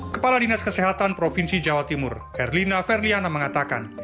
kepala dinas kesehatan provinsi jawa timur erlina ferliana mengatakan